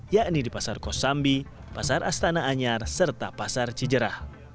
yakni di pasar kosambi pasar astana anyar serta pasar cijerah